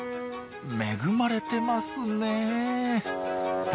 恵まれてますね。